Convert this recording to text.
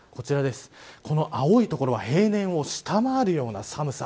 この青い所は平年を下回るような寒さ。